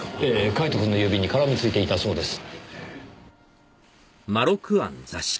カイトくんの指に絡みついていたそうです。